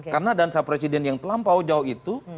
karena dansa presiden yang terlampau jauh itu